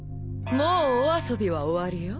もうお遊びは終わりよ。